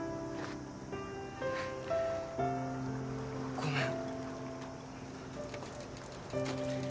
ごめん。